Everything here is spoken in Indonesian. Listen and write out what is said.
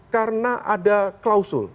karena ada klausul